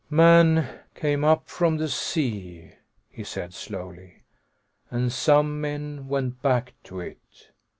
"Man came up from the sea," he said slowly, "and some men went back to it.